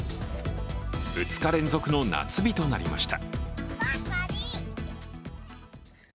２日連続の夏日となりました。